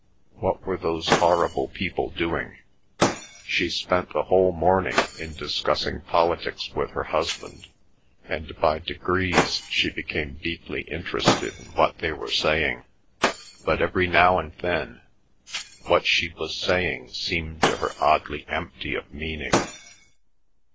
What were those horrid people doing? She spent the whole morning in discussing politics with her husband, and by degrees she became deeply interested in what they were saying. But every now and then what she was saying seemed to her oddly empty of meaning.